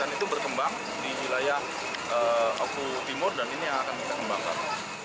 dan itu berkembang di wilayah oku timur dan ini akan kita kembangkan